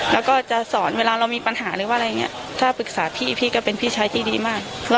แล้วก็จะสอนเวลาเรามีปัญหาหรือว่าอะไรอย่างนี้ถ้าปรึกษาพี่พี่ก็เป็นพี่ชายที่ดีมาก